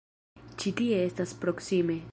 Ĉi tie estas proksime.